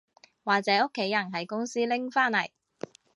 或者屋企人喺公司拎返嚟